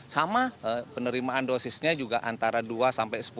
sama penerimaan dosisnya juga antara dua sampai sepuluh